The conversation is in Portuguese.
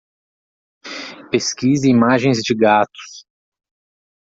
Pesquise imagens de gatos.